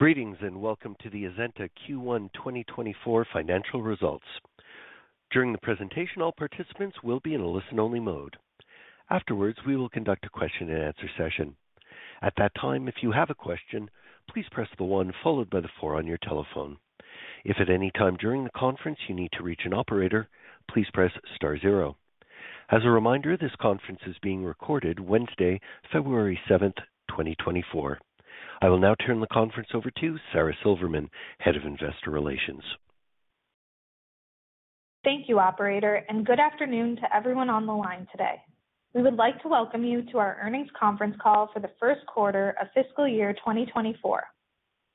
Greetings, and welcome to the Azenta Q1 2024 financial results. During the presentation, all participants will be in a listen-only mode. Afterwards, we will conduct a question-and-answer session. At that time, if you have a question, please press the one followed by the four on your telephone. If at any time during the conference you need to reach an operator, please press star zero. As a reminder, this conference is being recorded Wednesday, February 7th, 2024. I will now turn the conference over to Sara Silverman, Head of Investor Relations. Thank you, operator, and good afternoon to everyone on the line today. We would like to welcome you to our earnings conference call for the first quarter of fiscal year 2024.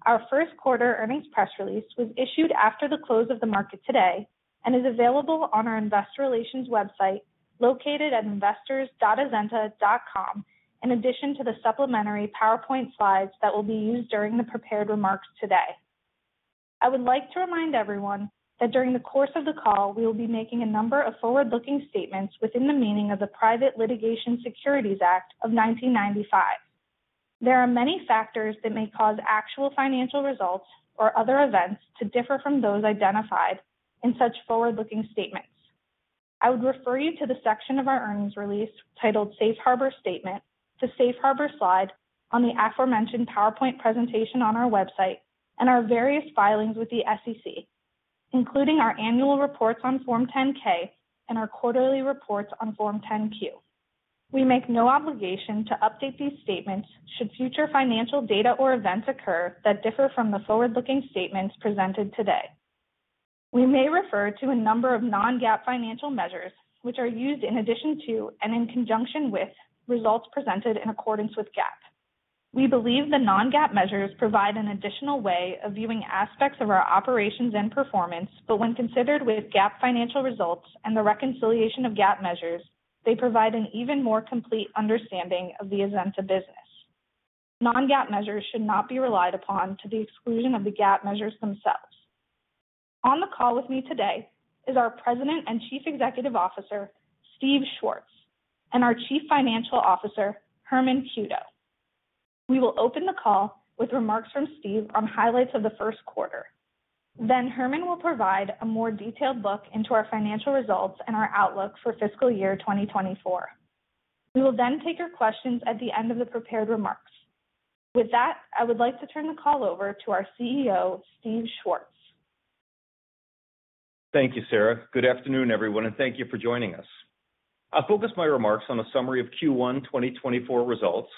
Our first quarter earnings press release was issued after the close of the market today and is available on our investor relations website, located at investors.azenta.com, in addition to the supplementary PowerPoint slides that will be used during the prepared remarks today. I would like to remind everyone that during the course of the call, we will be making a number of forward-looking statements within the meaning of the Private Securities Litigation Reform Act of 1995. There are many factors that may cause actual financial results or other events to differ from those identified in such forward-looking statements. I would refer you to the section of our earnings release titled Safe Harbor Statement, the Safe Harbor slide on the aforementioned PowerPoint presentation on our website, and our various filings with the SEC, including our annual reports on Form 10-K and our quarterly reports on Form 10-Q. We make no obligation to update these statements should future financial data or events occur that differ from the forward-looking statements presented today. We may refer to a number of non-GAAP financial measures, which are used in addition to and in conjunction with results presented in accordance with GAAP. We believe the non-GAAP measures provide an additional way of viewing aspects of our operations and performance, but when considered with GAAP financial results and the reconciliation of GAAP measures, they provide an even more complete understanding of the Azenta business. Non-GAAP measures should not be relied upon to the exclusion of the GAAP measures themselves. On the call with me today is our President and Chief Executive Officer, Steve Schwartz, and our Chief Financial Officer, Herman Cueto. We will open the call with remarks from Steve on highlights of the first quarter. Then Herman will provide a more detailed look into our financial results and our outlook for fiscal year 2024. We will then take your questions at the end of the prepared remarks. With that, I would like to turn the call over to our CEO, Steve Schwartz. Thank you, Sara. Good afternoon, everyone, and thank you for joining us. I'll focus my remarks on a summary of Q1 2024 results,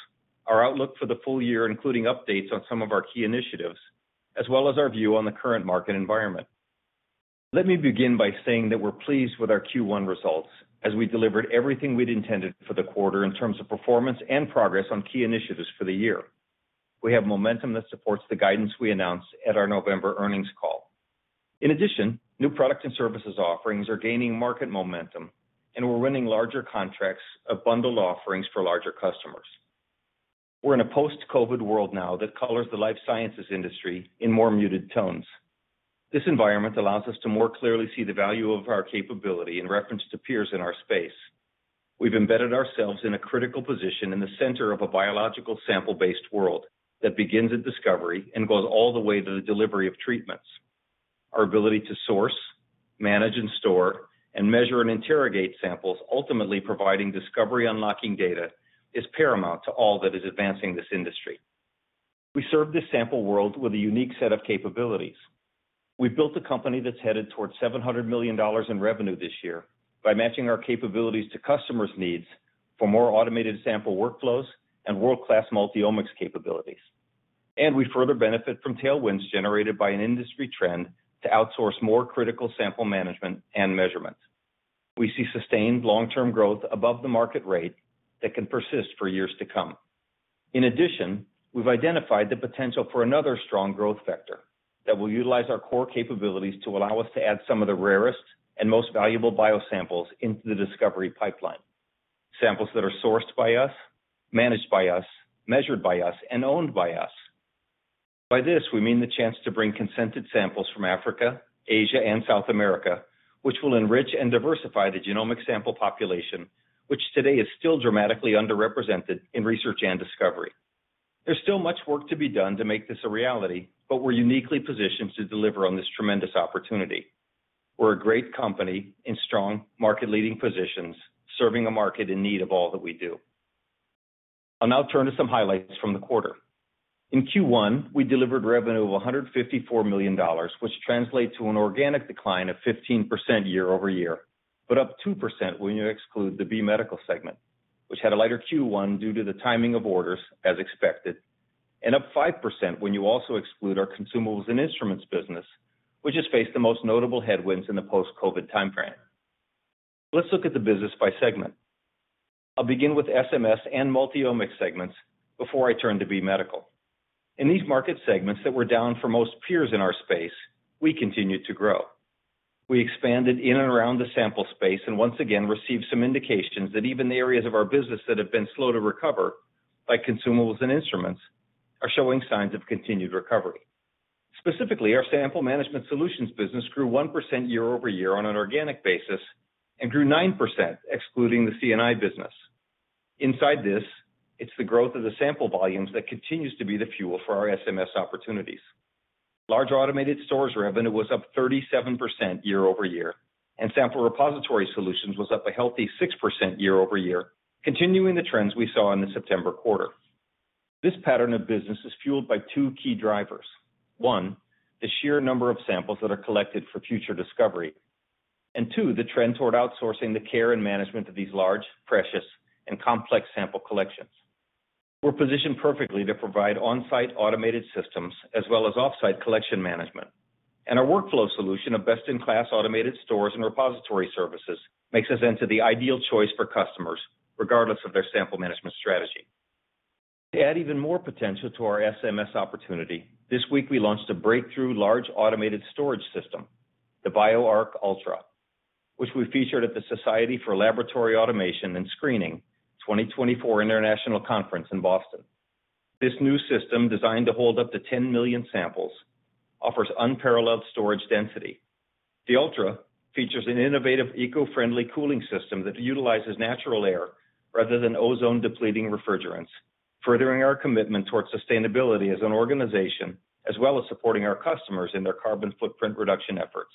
our outlook for the full year, including updates on some of our key initiatives, as well as our view on the current market environment. Let me begin by saying that we're pleased with our Q1 results, as we delivered everything we'd intended for the quarter in terms of performance and progress on key initiatives for the year. We have momentum that supports the guidance we announced at our November earnings call. In addition, new products and services offerings are gaining market momentum, and we're winning larger contracts of bundled offerings for larger customers. We're in a post-COVID world now that colors the life sciences industry in more muted tones. This environment allows us to more clearly see the value of our capability in reference to peers in our space. We've embedded ourselves in a critical position in the center of a biological sample-based world that begins at discovery and goes all the way to the delivery of treatments. Our ability to source, manage and store, and measure and interrogate samples, ultimately providing discovery-unlocking data, is paramount to all that is advancing this industry. We serve this sample world with a unique set of capabilities. We've built a company that's headed towards $700 million in revenue this year by matching our capabilities to customers' needs for more automated sample workflows and world-class multi-omics capabilities. We further benefit from tailwinds generated by an industry trend to outsource more critical sample management and measurement. We see sustained long-term growth above the market rate that can persist for years to come. In addition, we've identified the potential for another strong growth vector that will utilize our core capabilities to allow us to add some of the rarest and most valuable biosamples into the discovery pipeline. Samples that are sourced by us, managed by us, measured by us, and owned by us. By this, we mean the chance to bring consented samples from Africa, Asia, and South America, which will enrich and diversify the genomic sample population, which today is still dramatically underrepresented in research and discovery. There's still much work to be done to make this a reality, but we're uniquely positioned to deliver on this tremendous opportunity. We're a great company in strong market-leading positions, serving a market in need of all that we do. I'll now turn to some highlights from the quarter. In Q1, we delivered revenue of $154 million, which translates to an organic decline of 15% year-over-year, but up 2% when you exclude the B Medical segment, which had a lighter Q1 due to the timing of orders, as expected, and up 5% when you also exclude our consumables and instruments business, which has faced the most notable headwinds in the post-COVID timeframe. Let's look at the business by segment. I'll begin with SMS and Multiomics segments before I turn to B Medical. In these market segments that were down for most peers in our space, we continued to grow. We expanded in and around the sample space and once again received some indications that even the areas of our business that have been slow to recover, like consumables and instruments, are showing signs of continued recovery. Specifically, our Sample Management Solutions business grew 1% year-over-year on an organic basis and grew 9%, excluding the C&I business. Inside this, it's the growth of the sample volumes that continues to be the fuel for our SMS opportunities. Large automated storage revenue was up 37% year-over-year, and sample repository solutions was up a healthy 6% year-over-year, continuing the trends we saw in the September quarter. This pattern of business is fueled by two key drivers. One, the sheer number of samples that are collected for future discovery, and two, the trend toward outsourcing the care and management of these large, precious, and complex sample collections. We're positioned perfectly to provide on-site automated systems as well as off-site collection management, and our workflow solution of best-in-class automated storage and repository services makes us into the ideal choice for customers, regardless of their sample management strategy. To add even more potential to our SMS opportunity, this week we launched a breakthrough large automated storage system, the BioArc Ultra, which we featured at the Society for Laboratory Automation and Screening 2024 international conference in Boston. This new system, designed to hold up to 10 million samples, offers unparalleled storage density. The Ultra features an innovative, eco-friendly cooling system that utilizes natural air rather than ozone-depleting refrigerants, furthering our commitment towards sustainability as an organization, as well as supporting our customers in their carbon footprint reduction efforts.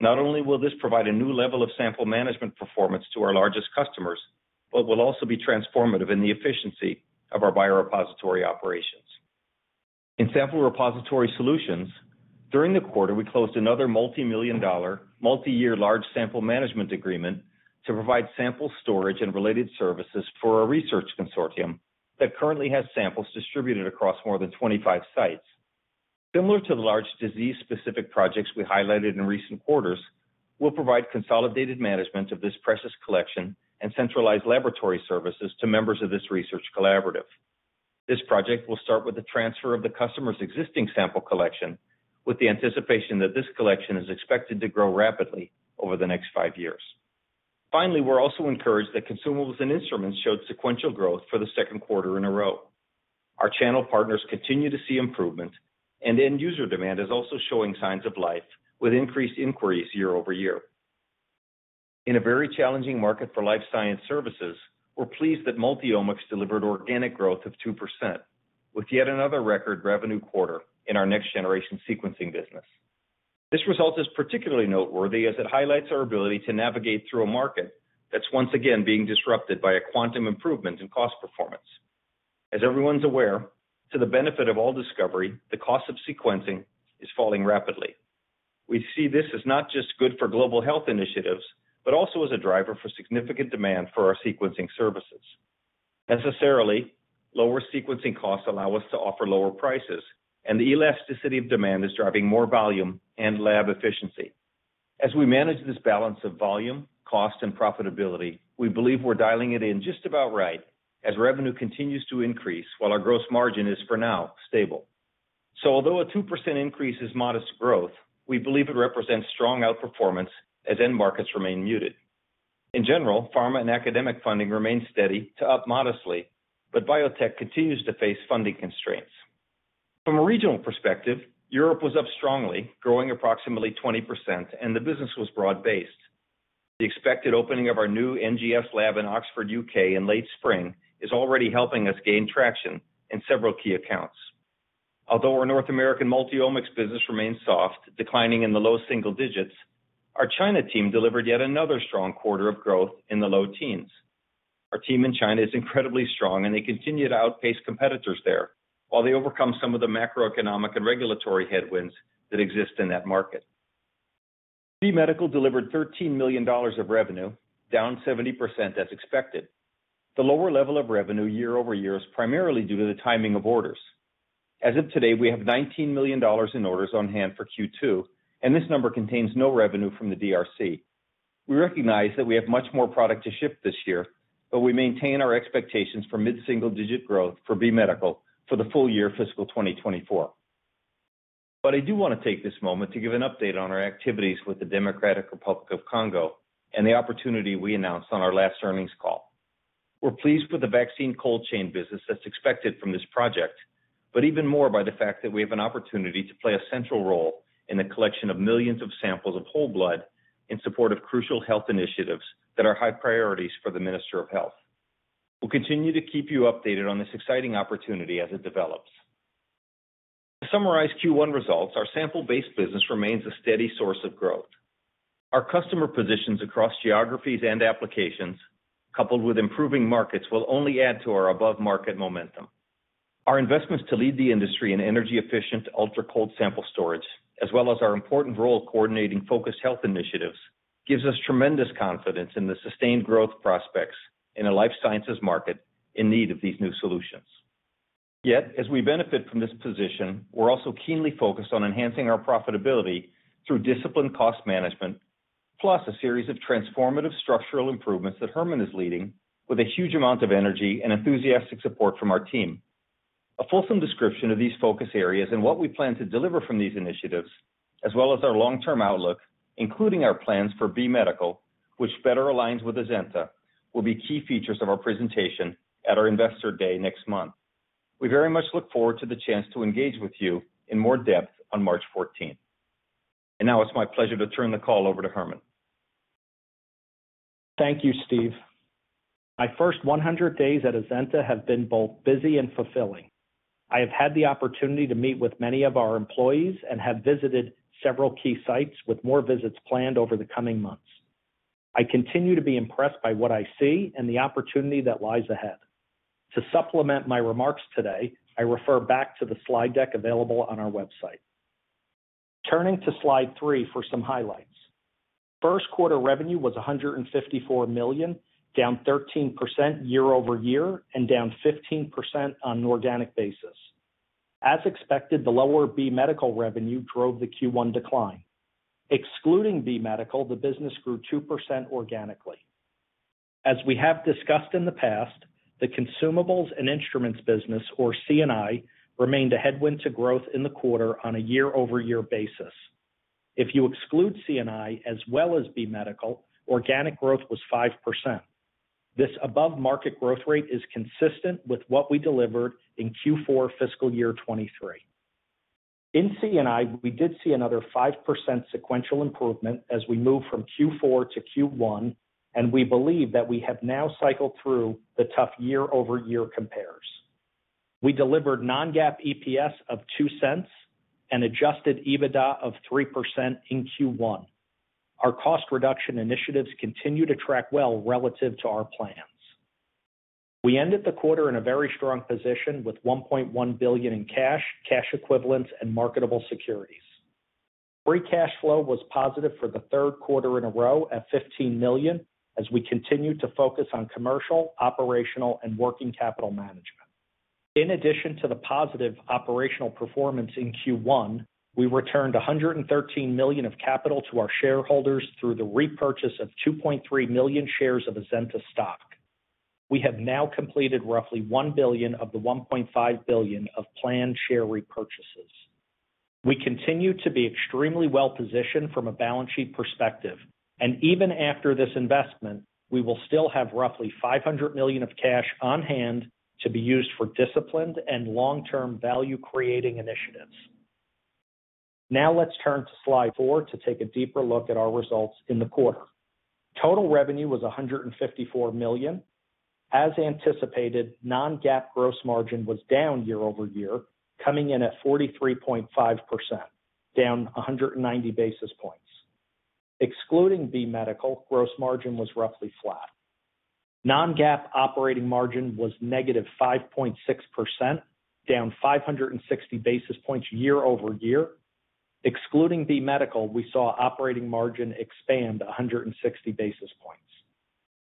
Not only will this provide a new level of sample management performance to our largest customers, but will also be transformative in the efficiency of our biorepository operations. In sample repository solutions, during the quarter, we closed another multimillion-dollar, multi-year large sample management agreement to provide sample storage and related services for a research consortium that currently has samples distributed across more than 25 sites. Similar to the large disease-specific projects we highlighted in recent quarters, we'll provide consolidated management of this precious collection and centralized laboratory services to members of this research collaborative. This project will start with the transfer of the customer's existing sample collection, with the anticipation that this collection is expected to grow rapidly over the next 5 years. Finally, we're also encouraged that consumables and instruments showed sequential growth for the second quarter in a row. Our channel partners continue to see improvement, and end user demand is also showing signs of life with increased inquiries year-over-year. In a very challenging market for life science services, we're pleased that Multiomics delivered organic growth of 2%, with yet another record revenue quarter in our next-generation sequencing business. This result is particularly noteworthy, as it highlights our ability to navigate through a market that's once again being disrupted by a quantum improvement in cost performance. As everyone's aware, to the benefit of all discovery, the cost of sequencing is falling rapidly. We see this as not just good for global health initiatives, but also as a driver for significant demand for our sequencing services. Necessarily, lower sequencing costs allow us to offer lower prices, and the elasticity of demand is driving more volume and lab efficiency. As we manage this balance of volume, cost, and profitability, we believe we're dialing it in just about right as revenue continues to increase while our gross margin is, for now, stable. So although a 2% increase is modest growth, we believe it represents strong outperformance as end markets remain muted. In general, pharma and academic funding remains steady to up modestly, but biotech continues to face funding constraints. From a regional perspective, Europe was up strongly, growing approximately 20%, and the business was broad-based. The expected opening of our new NGS lab in Oxford, UK, in late spring, is already helping us gain traction in several key accounts. Although our North American Multiomics business remains soft, declining in the low single digits, our China team delivered yet another strong quarter of growth in the low teens. Our team in China is incredibly strong, and they continue to outpace competitors there while they overcome some of the macroeconomic and regulatory headwinds that exist in that market. B Medical delivered $13 million of revenue, down 70% as expected. The lower level of revenue year-over-year is primarily due to the timing of orders. As of today, we have $19 million in orders on hand for Q2, and this number contains no revenue from the DRC. We recognize that we have much more product to ship this year, but we maintain our expectations for mid-single-digit growth for B Medical for the full year fiscal 2024. But I do want to take this moment to give an update on our activities with the Democratic Republic of Congo and the opportunity we announced on our last earnings call. We're pleased with the vaccine cold chain business that's expected from this project, but even more by the fact that we have an opportunity to play a central role in the collection of millions of samples of whole blood in support of crucial health initiatives that are high priorities for the Minister of Health. We'll continue to keep you updated on this exciting opportunity as it develops. To summarize Q1 results, our sample-based business remains a steady source of growth. Our customer positions across geographies and applications, coupled with improving markets, will only add to our above-market momentum. Our investments to lead the industry in energy-efficient, ultra-cold sample storage, as well as our important role coordinating focused health initiatives, gives us tremendous confidence in the sustained growth prospects in a life sciences market in need of these new solutions. Yet, as we benefit from this position, we're also keenly focused on enhancing our profitability through disciplined cost management, plus a series of transformative structural improvements that Herman is leading with a huge amount of energy and enthusiastic support from our team. A fulsome description of these focus areas and what we plan to deliver from these initiatives, as well as our long-term outlook, including our plans for B Medical, which better aligns with Azenta, will be key features of our presentation at our Investor Day next month. We very much look forward to the chance to engage with you in more depth on March fourteenth. Now it's my pleasure to turn the call over to Herman. Thank you, Steve. My first 100 days at Azenta have been both busy and fulfilling. I have had the opportunity to meet with many of our employees and have visited several key sites, with more visits planned over the coming months. I continue to be impressed by what I see and the opportunity that lies ahead. To supplement my remarks today, I refer back to the slide deck available on our website. Turning to slide 3 for some highlights. First quarter revenue was $154 million, down 13% year-over-year and down 15% on an organic basis. As expected, the lower B Medical revenue drove the Q1 decline. Excluding B Medical, the business grew 2% organically. As we have discussed in the past, the consumables and instruments business, or C&I, remained a headwind to growth in the quarter on a year-over-year basis. If you exclude C&I as well as B Medical, organic growth was 5%. This above-market growth rate is consistent with what we delivered in Q4 fiscal year 2023. In C&I, we did see another 5% sequential improvement as we moved from Q4 to Q1, and we believe that we have now cycled through the tough year-over-year compares. We delivered non-GAAP EPS of $0.02 and adjusted EBITDA of 3% in Q1. Our cost reduction initiatives continue to track well relative to our plans. We ended the quarter in a very strong position, with $1.1 billion in cash, cash equivalents, and marketable securities. Free cash flow was positive for the third quarter in a row at $15 million as we continued to focus on commercial, operational, and working capital management. In addition to the positive operational performance in Q1, we returned $113 million of capital to our shareholders through the repurchase of 2.3 million shares of Azenta stock. We have now completed roughly $1 billion of the $1.5 billion of planned share repurchases. We continue to be extremely well-positioned from a balance sheet perspective, and even after this investment, we will still have roughly $500 million of cash on hand to be used for disciplined and long-term value-creating initiatives. Now let's turn to slide 4 to take a deeper look at our results in the quarter. Total revenue was $154 million. As anticipated, non-GAAP gross margin was down year-over-year, coming in at 43.5%, down 190 basis points. Excluding B Medical, gross margin was roughly flat. Non-GAAP operating margin was -5.6%, down 560 basis points year-over-year. Excluding B Medical, we saw operating margin expand 160 basis points.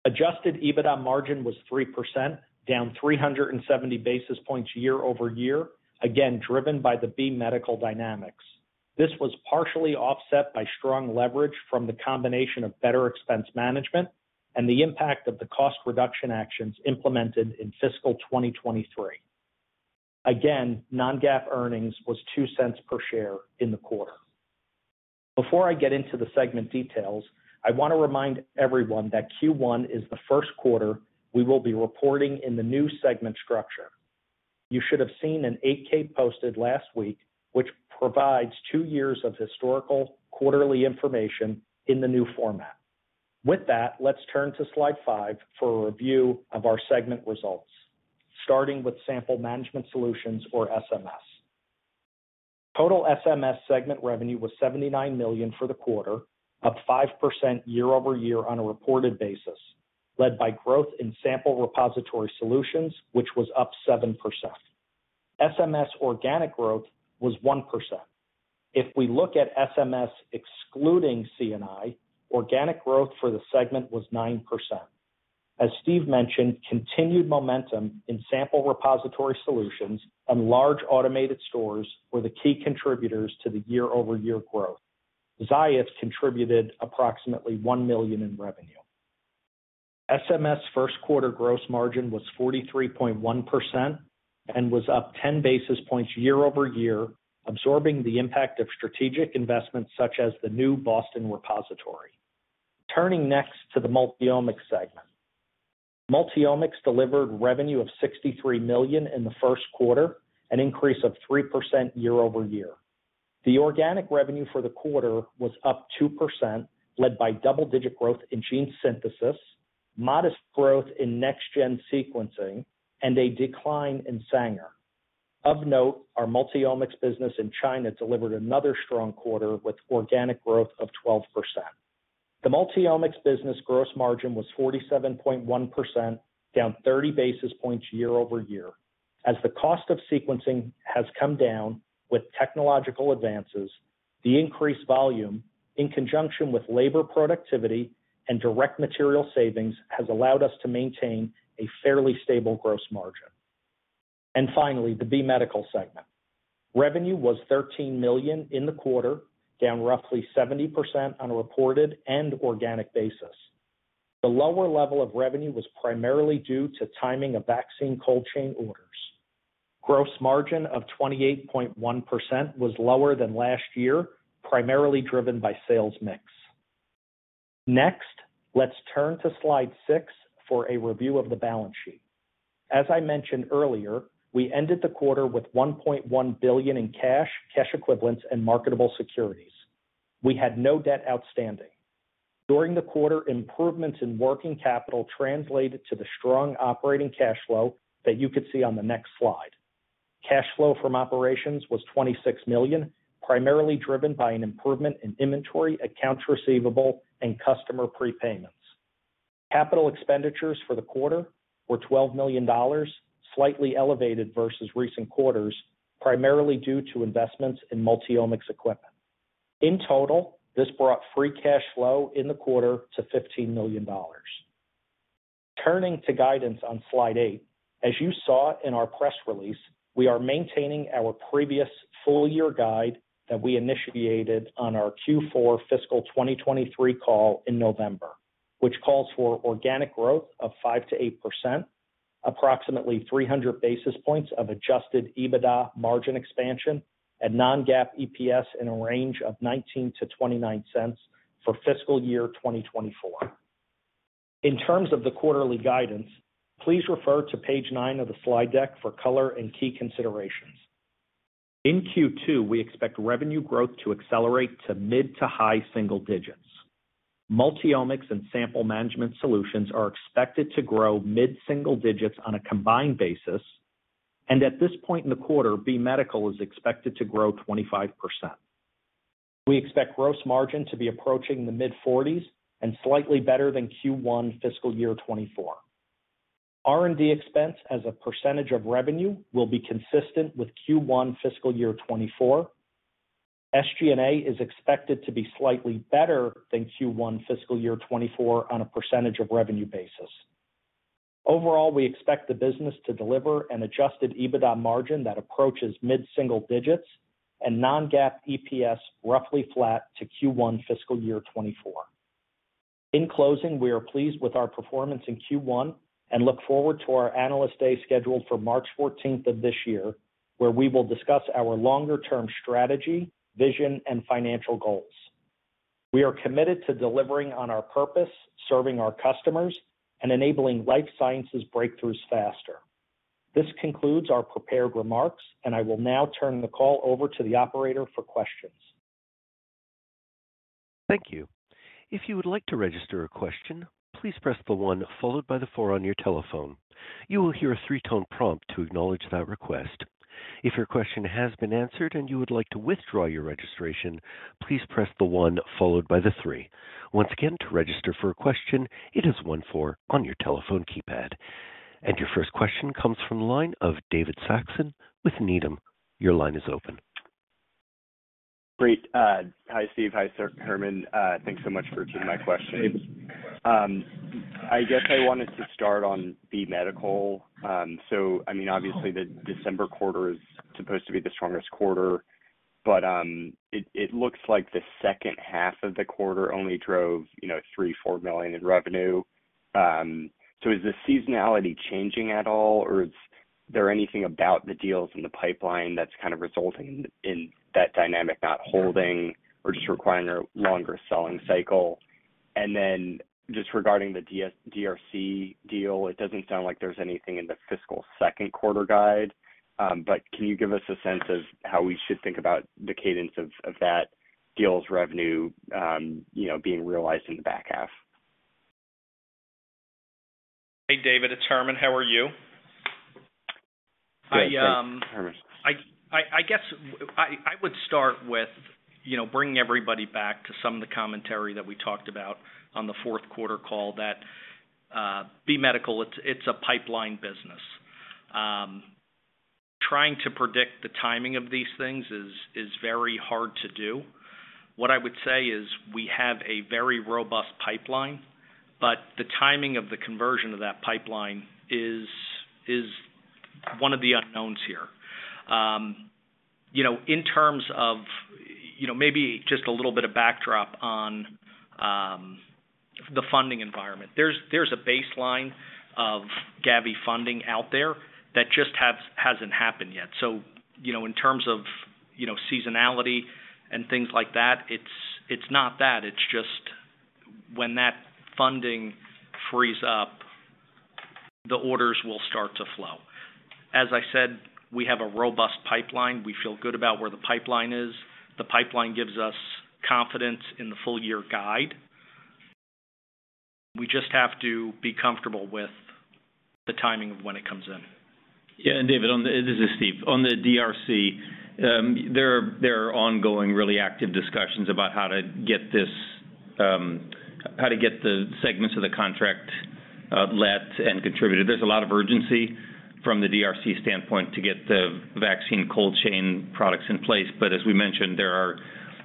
Adjusted EBITDA margin was 3%, down 370 basis points year-over-year, again, driven by the B Medical dynamics. This was partially offset by strong leverage from the combination of better expense management and the impact of the cost reduction actions implemented in fiscal 2023. Again, non-GAAP earnings was $0.02 per share in the quarter. Before I get into the segment details, I want to remind everyone that Q1 is the first quarter we will be reporting in the new segment structure. You should have seen an 8-K posted last week, which provides two years of historical quarterly information in the new format. With that, let's turn to slide 5 for a review of our segment results, starting with Sample Management Solutions, or SMS. Total SMS segment revenue was $79 million for the quarter, up 5% year-over-year on a reported basis, led by growth in sample repository solutions, which was up 7%. SMS organic growth was 1%. If we look at SMS excluding C&I, organic growth for the segment was 9%. As Steve mentioned, continued momentum in sample repository solutions and large automated stores were the key contributors to the year-over-year growth. Ziath contributed approximately $1 million in revenue. SMS first quarter gross margin was 43.1% and was up 10 basis points year-over-year, absorbing the impact of strategic investments such as the new Boston repository. Turning next to the Multiomics segment. Multiomics delivered revenue of $63 million in the first quarter, an increase of 3% year-over-year. The organic revenue for the quarter was up 2%, led by double-digit growth in gene synthesis, modest growth in next-gen sequencing, and a decline in Sanger. Of note, our Multiomics business in China delivered another strong quarter, with organic growth of 12%. The Multiomics business gross margin was 47.1%, down 30 basis points year-over-year. As the cost of sequencing has come down with technological advances, the increased volume, in conjunction with labor productivity and direct material savings, has allowed us to maintain a fairly stable gross margin. Finally, the B Medical segment. Revenue was $13 million in the quarter, down roughly 70% on a reported and organic basis. The lower level of revenue was primarily due to timing of vaccine cold chain orders. Gross margin of 28.1% was lower than last year, primarily driven by sales mix. Next, let's turn to slide 6 for a review of the balance sheet. As I mentioned earlier, we ended the quarter with $1.1 billion in cash, cash equivalents, and marketable securities. We had no debt outstanding. During the quarter, improvements in working capital translated to the strong operating cash flow that you could see on the next slide. Cash flow from operations was $26 million, primarily driven by an improvement in inventory, accounts receivable, and customer prepayments. Capital expenditures for the quarter were $12 million, slightly elevated versus recent quarters, primarily due to investments in Multiomics equipment. In total, this brought free cash flow in the quarter to $15 million. Turning to guidance on slide 8. As you saw in our press release, we are maintaining our previous full-year guide that we initiated on our Q4 fiscal 2023 call in November, which calls for organic growth of 5%-8%, approximately 300 basis points of adjusted EBITDA margin expansion and non-GAAP EPS in a range of $0.19-$0.29 for fiscal year 2024. In terms of the quarterly guidance, please refer to page 9 of the slide deck for color and key considerations. In Q2, we expect revenue growth to accelerate to mid- to high-single digits. Multiomics and sample management solutions are expected to grow mid-single digits on a combined basis, and at this point in the quarter, B Medical is expected to grow 25%. We expect gross margin to be approaching the mid-forties and slightly better than Q1 fiscal year 2024. R&D expense, as a percentage of revenue, will be consistent with Q1 fiscal year 2024. SG&A is expected to be slightly better than Q1 fiscal year 2024 on a percentage of revenue basis. Overall, we expect the business to deliver an Adjusted EBITDA margin that approaches mid-single digits and non-GAAP EPS, roughly flat to Q1 fiscal year 2024. In closing, we are pleased with our performance in Q1 and look forward to our Analyst Day, scheduled for March 14 of this year, where we will discuss our longer-term strategy, vision, and financial goals. We are committed to delivering on our purpose, serving our customers, and enabling life sciences breakthroughs faster. This concludes our prepared remarks, and I will now turn the call over to the operator for questions. Thank you. If you would like to register a question, please press the one followed by the four on your telephone. You will hear a three-tone prompt to acknowledge that request. If your question has been answered and you would like to withdraw your registration, please press the one followed by the three. Once again, to register for a question, it is one, four on your telephone keypad. Your first question comes from the line of David Saxon with Needham. Your line is open. Great. Hi, Steve. Hi, Sara, Herman. Thanks so much for taking my question. I guess I wanted to start on the B Medical. So I mean, obviously, the December quarter is supposed to be the strongest quarter, but it looks like the second half of the quarter only drove, you know, $3 million-$4 million in revenue. So is the seasonality changing at all, or is there anything about the deals in the pipeline that's kind of resulting in that dynamic not holding or just requiring a longer selling cycle? And then just regarding the DRC deal, it doesn't sound like there's anything in the fiscal second quarter guide, but can you give us a sense of how we should think about the cadence of that deal's revenue, you know, being realized in the back half? Hey, David, it's Herman. How are you? Good. Great, Herman. I guess I would start with, you know, bringing everybody back to some of the commentary that we talked about on the fourth quarter call, that B Medical, it's a pipeline business. Trying to predict the timing of these things is very hard to do. What I would say is we have a very robust pipeline, but the timing of the conversion of that pipeline is one of the unknowns here. You know, in terms of, you know, maybe just a little bit of backdrop on the funding environment. There's a baseline of Gavi funding out there that just hasn't happened yet. So, you know, in terms of, you know, seasonality and things like that, it's not that. It's just when that funding frees up, the orders will start to flow. As I said, we have a robust pipeline. We feel good about where the pipeline is. The pipeline gives us confidence in the full-year guide. We just have to be comfortable with the timing of when it comes in. Yeah, and David, on the... This is Steve. On the DRC, there are ongoing, really active discussions about how to get the segments of the contract, lead and contributed. There's a lot of urgency from the DRC standpoint to get the vaccine cold chain products in place, but as we mentioned, there are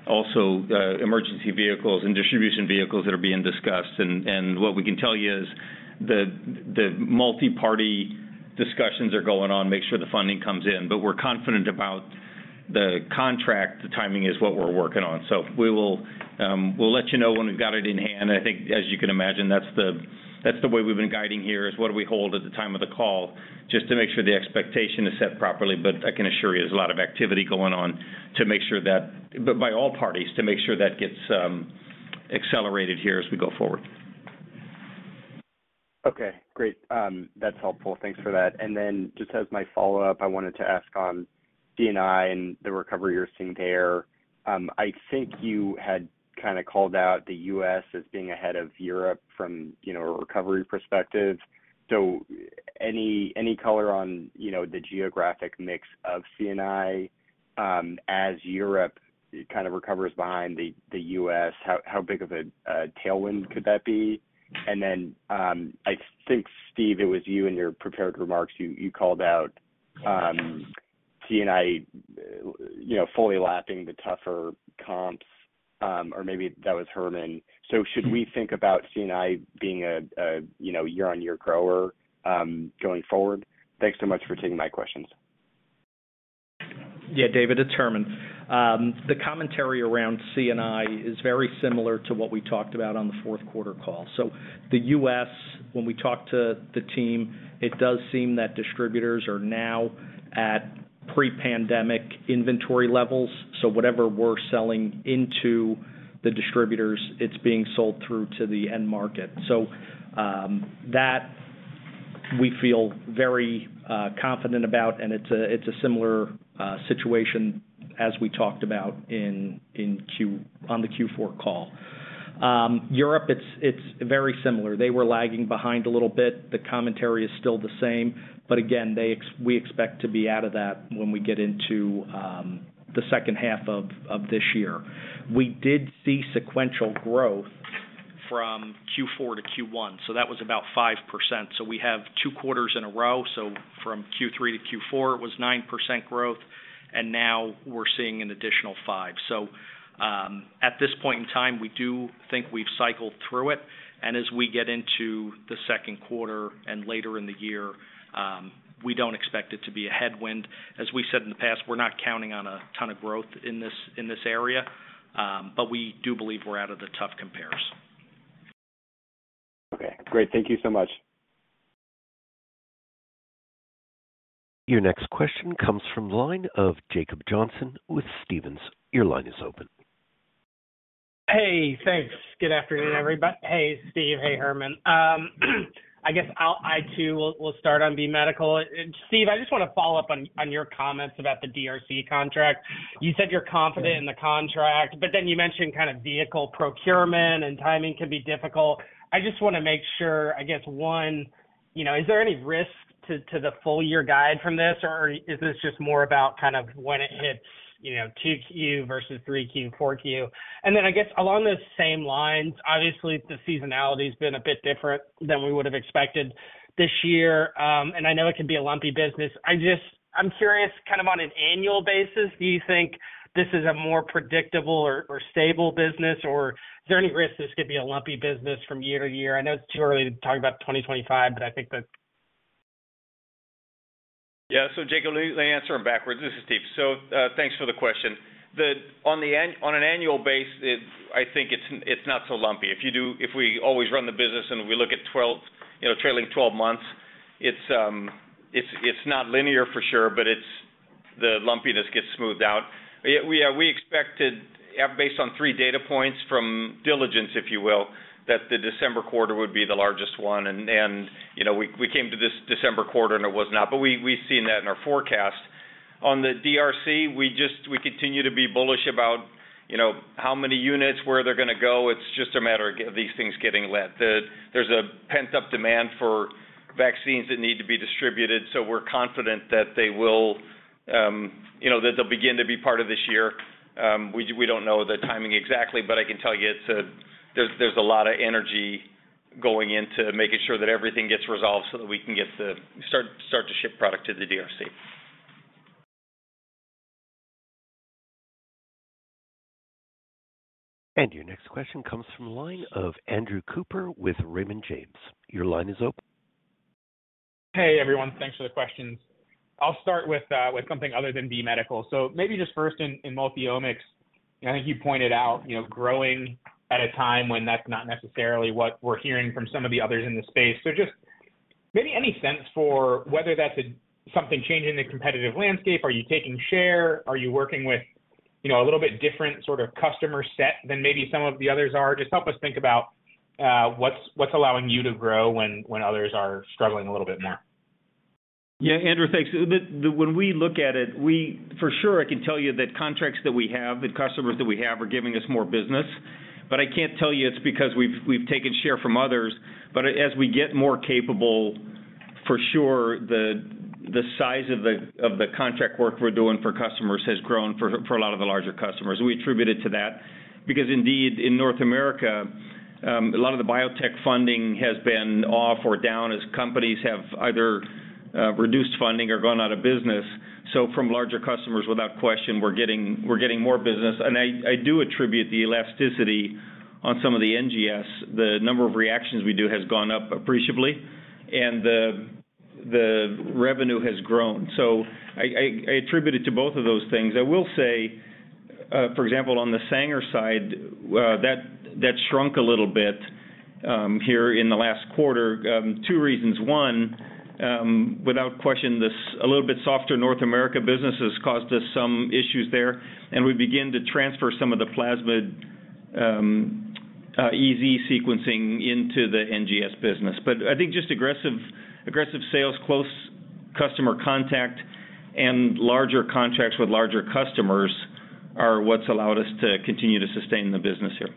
also emergency vehicles and distribution vehicles that are being discussed. And what we can tell you is the multi-party discussions are going on, make sure the funding comes in, but we're confident about-... the contract timing is what we're working on. So we will, we'll let you know when we've got it in hand. I think, as you can imagine, that's the, that's the way we've been guiding here, is what do we hold at the time of the call, just to make sure the expectation is set properly. But I can assure you, there's a lot of activity going on to make sure that, but by all parties, to make sure that gets accelerated here as we go forward. Okay, great. That's helpful. Thanks for that. And then just as my follow-up, I wanted to ask on C&I and the recovery you're seeing there. I think you had kinda called out the U.S. as being ahead of Europe from, you know, a recovery perspective. So any color on, you know, the geographic mix of C&I, as Europe kind of recovers behind the U.S., how big of a tailwind could that be? And then, I think, Steve, it was you in your prepared remarks, you called out, C&I, you know, fully lapping the tougher comps, or maybe that was Herman. So should we think about C&I being a, you know, year-on-year grower, going forward? Thanks so much for taking my questions. Yeah, David, it's Herman. The commentary around C&I is very similar to what we talked about on the fourth quarter call. So the US, when we talked to the team, it does seem that distributors are now at pre-pandemic inventory levels. So whatever we're selling into the distributors, it's being sold through to the end market. So, that we feel very confident about, and it's a similar situation as we talked about on the Q4 call. Europe, it's very similar. They were lagging behind a little bit. The commentary is still the same, but again, they, we expect to be out of that when we get into the second half of this year. We did see sequential growth from Q4 to Q1, so that was about 5%. So we have two quarters in a row. So from Q3 to Q4, it was 9% growth, and now we're seeing an additional 5. So, at this point in time, we do think we've cycled through it, and as we get into the second quarter and later in the year, we don't expect it to be a headwind. As we said in the past, we're not counting on a ton of growth in this, in this area, but we do believe we're out of the tough compares. Okay, great. Thank you so much. Your next question comes from the line of Jacob Johnson with Stephens. Your line is open. Hey, thanks. Good afternoon, everybody. Hey, Steve. Hey, Herman. I guess I'll—I, too, will start on B Medical. Steve, I just want to follow up on your comments about the DRC contract. You said you're confident in the contract, but then you mentioned kind of vehicle procurement and timing can be difficult. I just want to make sure, I guess, one, you know, is there any risk to the full-year guide from this? Or is this just more about kind of when it hits, you know, 2Q versus 3Q, 4Q? And then I guess along those same lines, obviously, the seasonality has been a bit different than we would have expected this year. And I know it can be a lumpy business. I just, I'm curious, kind of on an annual basis, do you think this is a more predictable or stable business, or is there any risk this could be a lumpy business from year to year? I know it's too early to talk about 2025, but I think that. Yeah. So, Jacob, let me answer them backwards. This is Steve. So, thanks for the question. The-- on an annual basis, it-- I think it's not so lumpy. If we always run the business and we look at 12, you know, trailing 12 months, it's not linear for sure, but the lumpiness gets smoothed out. We expected, based on 3 data points from diligence, if you will, that the December quarter would be the largest one. And, you know, we came to this December quarter, and it was not, but we've seen that in our forecast. On the DRC, we just continue to be bullish about, you know, how many units, where they're going to go. It's just a matter of these things getting lent. There's a pent-up demand for vaccines that need to be distributed, so we're confident that they will, you know, that they'll begin to be part of this year. We don't know the timing exactly, but I can tell you, there's a lot of energy going into making sure that everything gets resolved so that we can start to ship product to the DRC. Your next question comes from the line of Andrew Cooper with Raymond James. Your line is open. Hey, everyone. Thanks for the questions. I'll start with something other than B Medical. So maybe just first in Multiomics, I think you pointed out, you know, growing at a time when that's not necessarily what we're hearing from some of the others in the space. So just maybe any sense for whether that's a something changing the competitive landscape. Are you taking share? Are you working with, you know, a little bit different sort of customer set than maybe some of the others are? Just help us think about what's allowing you to grow when others are struggling a little bit more. Yeah, Andrew, thanks. The when we look at it, for sure, I can tell you that contracts that we have, the customers that we have, are giving us more business, but I can't tell you it's because we've taken share from others. But as we get more capable, for sure, the size of the contract work we're doing for customers has grown for a lot of the larger customers. We attribute it to that because indeed, in North America, a lot of the biotech funding has been off or down as companies have either reduced funding or gone out of business. So from larger customers, without question, we're getting more business, and I do attribute the elasticity on some of the NGS. The number of reactions we do has gone up appreciably, and the-... The revenue has grown. So I attribute it to both of those things. I will say, for example, on the Sanger side, that shrunk a little bit here in the last quarter. Two reasons: one, without question, this little bit softer North America business has caused us some issues there, and we begin to transfer some of the Plasmid-EZ sequencing into the NGS business. But I think just aggressive sales, close customer contact, and larger contracts with larger customers are what's allowed us to continue to sustain the business here.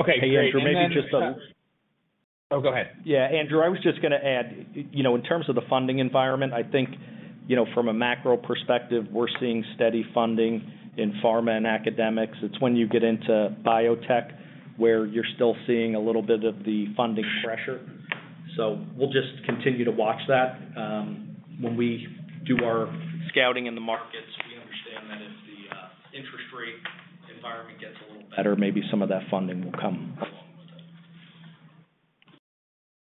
Okay, great. And then just a- Oh, go ahead. Yeah, Andrew, I was just gonna add, you know, in terms of the funding environment, I think, you know, from a macro perspective, we're seeing steady funding in pharma and academics. It's when you get into biotech, where you're still seeing a little bit of the funding pressure. So we'll just continue to watch that. When we do our scouting in the markets, we understand that if the interest rate environment gets a little better, maybe some of that funding will come along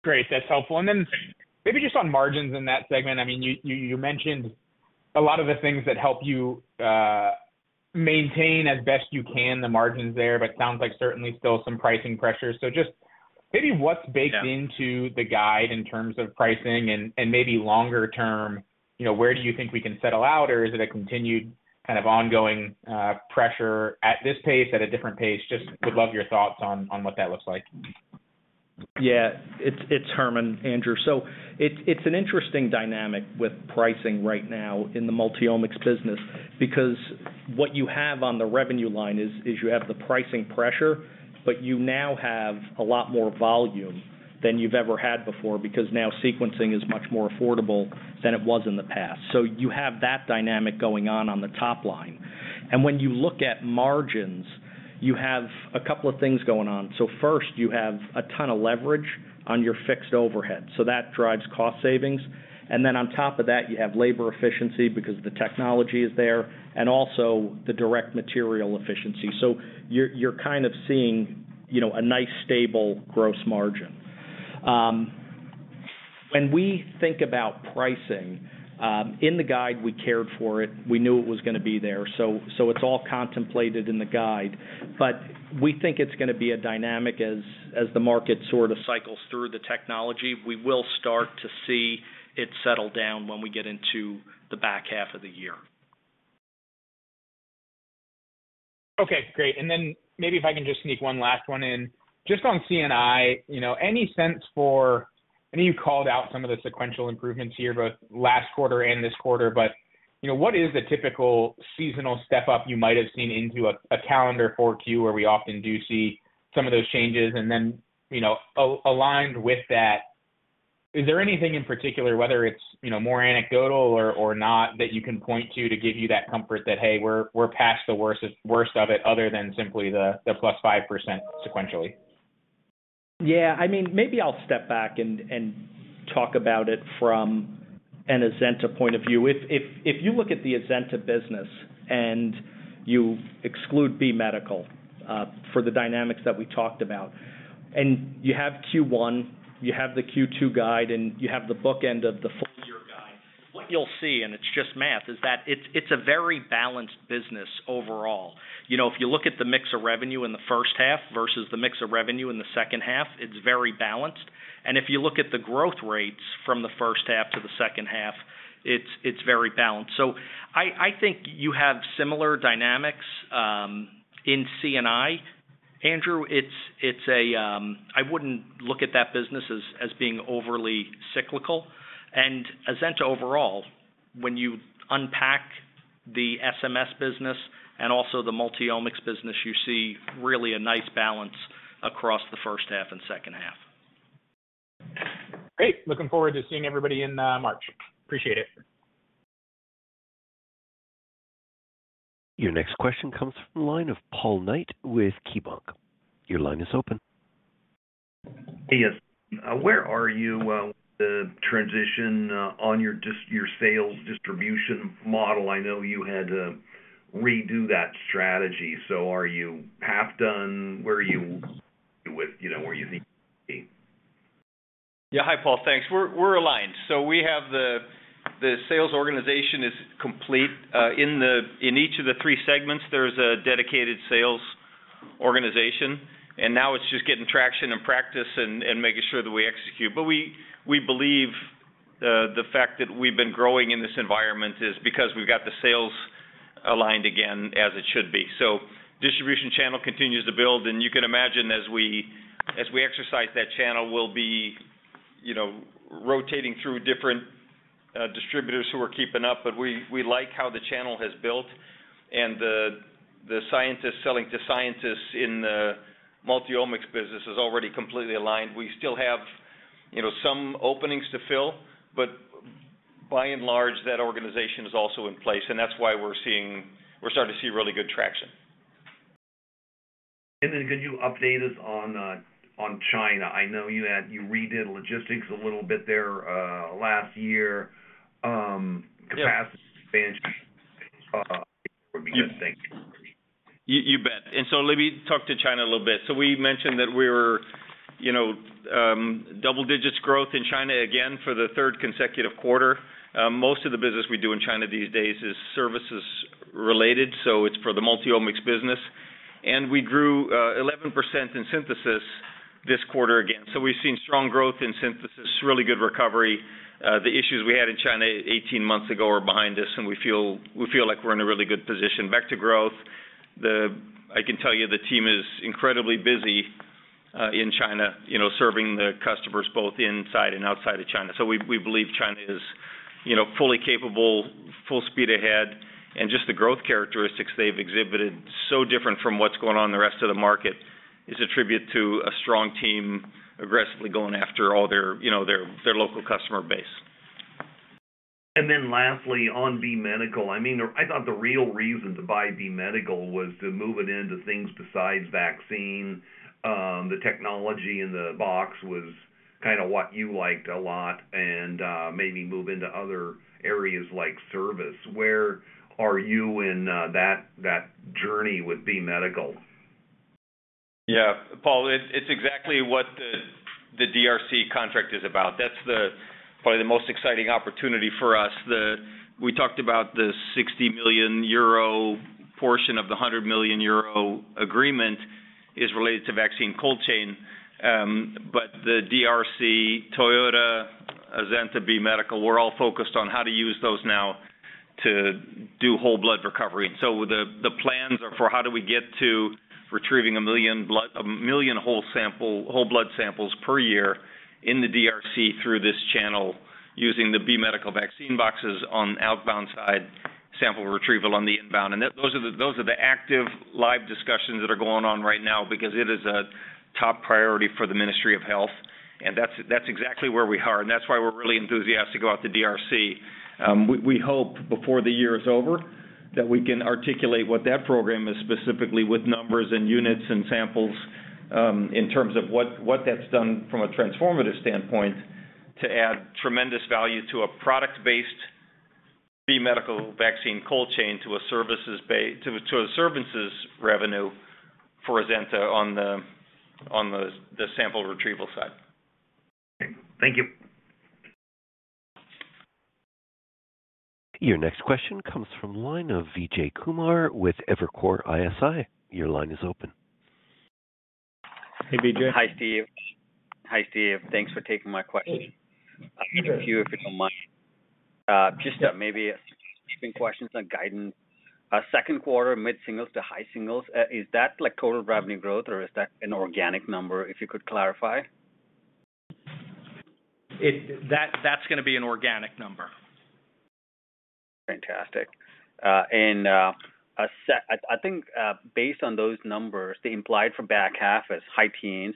with it. Great, that's helpful. And then maybe just on margins in that segment, I mean, you mentioned a lot of the things that help you maintain as best you can, the margins there, but sounds like certainly still some pricing pressure. So just maybe what's baked- Yeah.... into the guide in terms of pricing and maybe longer term, you know, where do you think we can settle out? Or is it a continued kind of ongoing pressure at this pace, at a different pace? Just would love your thoughts on what that looks like. Yeah, it's Herman, Andrew. So it's an interesting dynamic with pricing right now in the Multiomics business, because what you have on the revenue line is you have the pricing pressure, but you now have a lot more volume than you've ever had before, because now sequencing is much more affordable than it was in the past. So you have that dynamic going on the top line. And when you look at margins, you have a couple of things going on. So first, you have a ton of leverage on your fixed overhead, so that drives cost savings. And then on top of that, you have labor efficiency because the technology is there, and also the direct material efficiency. So you're kind of seeing, you know, a nice stable gross margin. When we think about pricing in the guide, we cared for it. We knew it was gonna be there, so it's all contemplated in the guide. But we think it's gonna be a dynamic as the market sort of cycles through the technology. We will start to see it settle down when we get into the back half of the year. Okay, great. And then maybe if I can just sneak one last one in. Just on C&I, you know, any sense for... I know you called out some of the sequential improvements here, both last quarter and this quarter, but, you know, what is the typical seasonal step up you might have seen into a, a calendar for Q, where we often do see some of those changes? And then, you know, aligned with that, is there anything in particular, whether it's, you know, more anecdotal or, or not, that you can point to, to give you that comfort that, "Hey, we're, we're past the worst, worst of it," other than simply the, the +5% sequentially? Yeah, I mean, maybe I'll step back and talk about it from an Azenta point of view. If you look at the Azenta business and you exclude B Medical, for the dynamics that we talked about, and you have Q1, you have the Q2 guide, and you have the book end of the full year guide, what you'll see, and it's just math, is that it's a very balanced business overall. You know, if you look at the mix of revenue in the first half versus the mix of revenue in the second half, it's very balanced. And if you look at the growth rates from the first half to the second half, it's very balanced. So I think you have similar dynamics in C&I, Andrew. It's a—I wouldn't look at that business as being overly cyclical. Azenta overall, when you unpack the SMS business and also the Multiomics business, you see really a nice balance across the first half and second half. Great! Looking forward to seeing everybody in March. Appreciate it. Your next question comes from the line of Paul Knight with KeyBanc. Your line is open. Hey, yes. Where are you with the transition on your sales distribution model? I know you had to redo that strategy, so are you half done? Where are you with, you know, where you think you might be? Yeah. Hi, Paul. Thanks. We're aligned, so we have the sales organization is complete. In each of the three segments, there's a dedicated sales organization, and now it's just getting traction and practice and making sure that we execute. But we believe the fact that we've been growing in this environment is because we've got the sales aligned again, as it should be. So distribution channel continues to build, and you can imagine as we exercise that channel, we'll be, you know, rotating through different distributors who are keeping up. But we like how the channel has built, and the scientists selling to scientists in the Multiomics business is already completely aligned. We still have, you know, some openings to fill, but by and large, that organization is also in place, and that's why we're seeing—we're starting to see really good traction. Could you update us on China? I know you redid logistics a little bit there last year. Capacity expansion. You, you bet. And so let me talk to China a little bit. So we mentioned that we were, you know, double digits growth in China again for the third consecutive quarter. Most of the business we do in China these days is services related, so it's for the Multiomics business. And we grew 11% in synthesis this quarter again. So we've seen strong growth in synthesis, really good recovery. The issues we had in China 18 months ago are behind us, and we feel, we feel like we're in a really good position. Back to growth, I can tell you, the team is incredibly busy in China, you know, serving the customers both inside and outside of China. We believe China is, you know, fully capable, full speed ahead, and just the growth characteristics they've exhibited, so different from what's going on in the rest of the market, is a tribute to a strong team, aggressively going after all their, you know, their local customer base. And then lastly, on B Medical, I mean, I thought the real reason to buy B Medical was to move it into things besides vaccine. The technology in the box was kind of what you liked a lot and, maybe move into other areas like service. Where are you in that journey with B Medical? Yeah, Paul, it, it's exactly what the, the DRC contract is about. That's the, probably the most exciting opportunity for us. The... We talked about the 60 million euro portion of the 100 million euro agreement is related to vaccine cold chain. But the DRC, Toyota, Azenta, B Medical, we're all focused on how to use those now to do whole blood recovery. So the, the plans are for how do we get to retrieving 1 million blood- 1 million whole sample, whole blood samples per year in the DRC through this channel, using the B Medical vaccine boxes on the outbound side, sample retrieval on the inbound. And those are the, those are the active, live discussions that are going on right now because it is a top priority for the Ministry of Health, and that's, that's exactly where we are, and that's why we're really enthusiastic about the DRC. We hope before the year is over, that we can articulate what that program is specifically with numbers and units and samples, in terms of what that's done from a transformative standpoint, to add tremendous value to a product-based B Medical vaccine cold chain, to a services revenue for Azenta on the sample retrieval side. Okay. Thank you. Your next question comes from the line of Vijay Kumar with Evercore ISI. Your line is open. Hey, Vijay. Hi, Steve. Hi, Steve. Thanks for taking my question. I have a few, if you don't mind. Just, maybe a few questions on guidance. Second quarter, mid-singles to high singles, is that like total revenue growth, or is that an organic number? If you could clarify. That's gonna be an organic number. Fantastic. I think, based on those numbers, the implied for back half is high teens.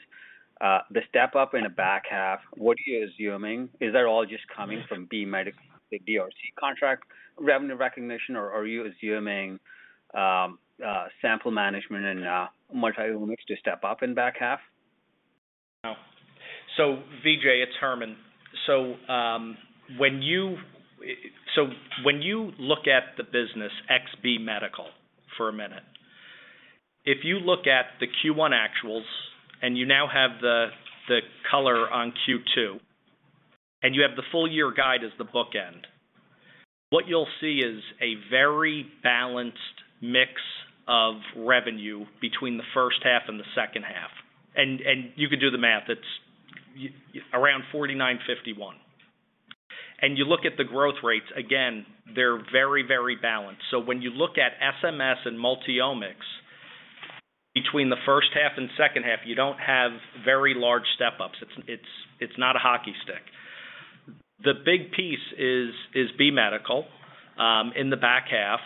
The step up in the back half, what are you assuming? Is that all just coming from B Medical, the DRC contract revenue recognition, or are you assuming sample management and Multiomics to step up in back half? So Vijay, it's Herman. So when you look at the business ex B Medical for a minute, if you look at the Q1 actuals, and you now have the color on Q2, and you have the full year guide as the bookend, what you'll see is a very balanced mix of revenue between the first half and the second half. And you can do the math. It's around 49-51. And you look at the growth rates, again, they're very, very balanced. So when you look at SMS and Multiomics, between the first half and second half, you don't have very large step ups. It's not a hockey stick. The big piece is B Medical in the back half,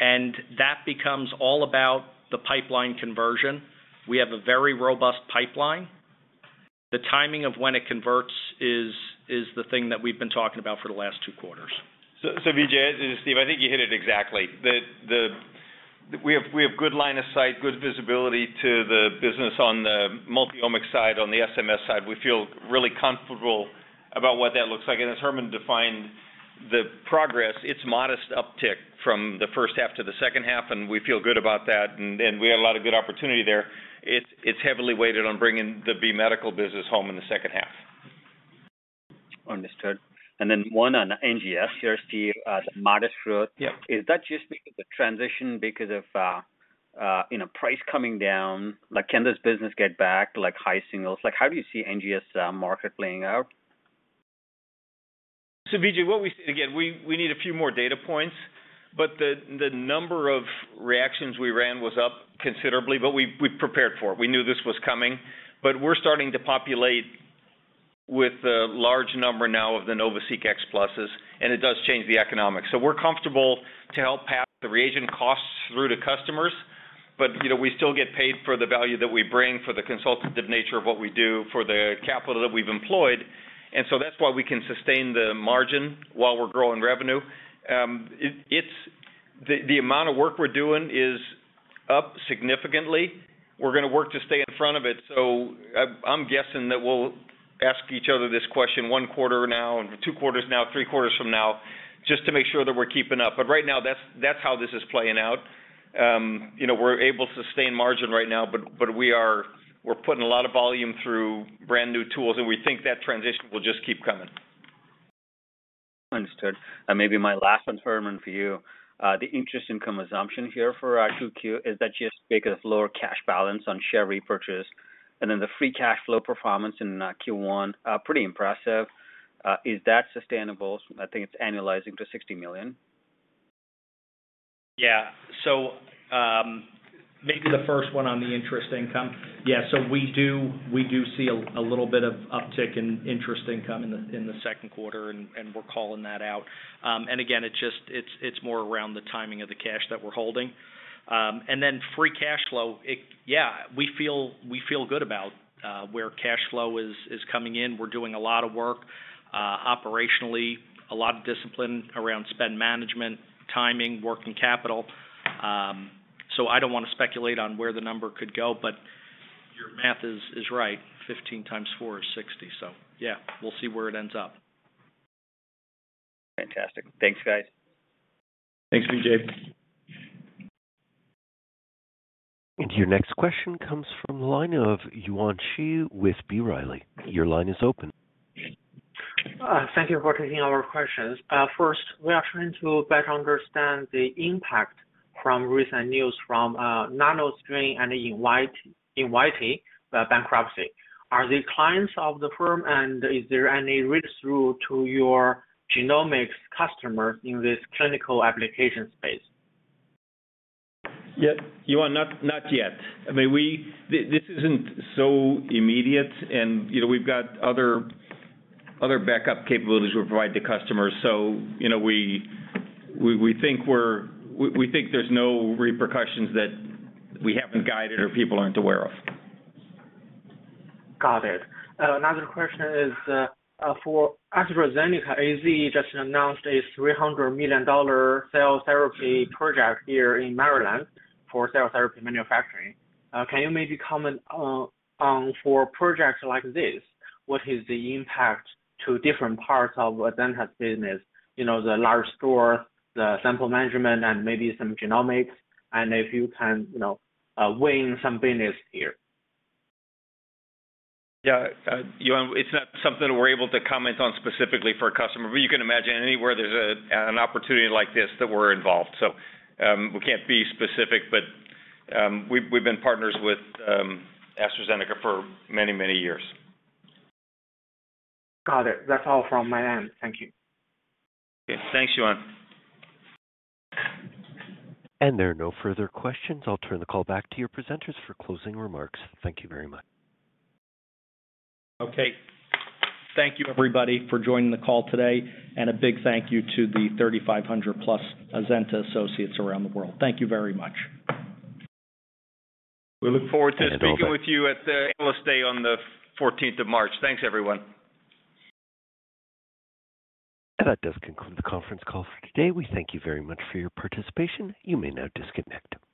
and that becomes all about the pipeline conversion. We have a very robust pipeline. The timing of when it converts is the thing that we've been talking about for the last two quarters. So, Vijay, Steve, I think you hit it exactly. We have good line of sight, good visibility to the business on the Multiomics side, on the SMS side. We feel really comfortable about what that looks like. And as Herman defined the progress, it's modest uptick from the first half to the second half, and we feel good about that, and we have a lot of good opportunity there. It's heavily weighted on bringing the B Medical business home in the second half. Understood. And then one on NGS here, Steve, the modest growth. Yeah. Is that just because the transition, because of, you know, price coming down? Like, can this business get back to, like, high singles? Like, how do you see NGS, market playing out? So, Vijay, what we see. Again, we need a few more data points, but the number of reactions we ran was up considerably, but we prepared for it. We knew this was coming, but we're starting to populate with a large number now of the NovaSeq X Pluses, and it does change the economics. So we're comfortable to help pass the reagent costs through to customers, but, you know, we still get paid for the value that we bring, for the consultative nature of what we do, for the capital that we've employed, and so that's why we can sustain the margin while we're growing revenue. The amount of work we're doing is significantly. We're gonna work to stay in front of it, so I'm guessing that we'll ask each other this question one quarter from now and two quarters from now, three quarters from now, just to make sure that we're keeping up. But right now, that's how this is playing out. You know, we're able to sustain margin right now, but we are - we're putting a lot of volume through brand-new tools, and we think that transition will just keep coming. Understood. Maybe my last one, Herman, for you. The interest income assumption here for Q2, is that just because lower cash balance on share repurchase, and then the free cash flow performance in Q1, pretty impressive. Is that sustainable? I think it's annualizing to $60 million. Yeah. So, maybe the first one on the interest income. Yeah, so we do see a little bit of uptick in interest income in the second quarter, and we're calling that out. And again, it's just it's more around the timing of the cash that we're holding. And then free cash flow, it yeah, we feel good about where cash flow is coming in. We're doing a lot of work operationally, a lot of discipline around spend management, timing, working capital. So I don't want to speculate on where the number could go, but your math is right. 15x 4 is 60. So yeah, we'll see where it ends up. Fantastic. Thanks, guys. Thanks, Vijay. And your next question comes from the line of Yuan Zhi with B. Riley. Your line is open. Thank you for taking our questions. First, we are trying to better understand the impact from recent news from NanoString and Invitae bankruptcy. Are these clients of the firm, and is there any risk through to your genomics customers in this clinical application space? Yeah. Yuan, not yet. I mean, we... This isn't so immediate, and you know, we've got other backup capabilities we provide to customers. So you know, we think there's no repercussions that we haven't guided or people aren't aware of. Got it. Another question is for AstraZeneca. AZ just announced a $300 million cell therapy project here in Maryland for cell therapy manufacturing. Can you maybe comment on for projects like this, what is the impact to different parts of Azenta's business? You know, the large store, the sample management, and maybe some genomics, and if you can, you know, win some business here. Yeah, Yuan, it's not something we're able to comment on specifically for a customer, but you can imagine anywhere there's an opportunity like this that we're involved. So, we can't be specific, but we've been partners with AstraZeneca for many, many years. Got it. That's all from my end. Thank you. Okay. Thanks, Yuan. There are no further questions. I'll turn the call back to your presenters for closing remarks. Thank you very much. Okay. Thank you, everybody, for joining the call today, and a big thank you to the 3,500+ Azenta associates around the world. Thank you very much. We look forward to speaking with you at the Analyst Day on the 14th of March. Thanks, everyone. That does conclude the conference call for today. We thank you very much for your participation. You may now disconnect.